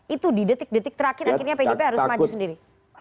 itu di detik detik terakhir akhirnya pdip harus maju sendiri